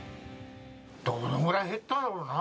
どのぐらい減ったろうな。